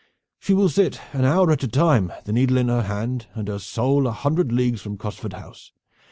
"She will sit an hour at a time, the needle in her hand and her soul a hundred leagues from Cosford House.